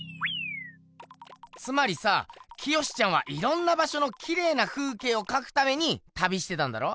つまりさ清ちゃんはいろんなばしょのきれいな風景をかくために旅してたんだろ？